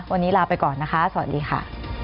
วันนี้ลาไปก่อนนะคะสวัสดีค่ะ